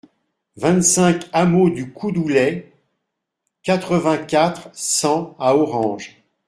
vingt-cinq hameau du Coudoulet, quatre-vingt-quatre, cent à Orange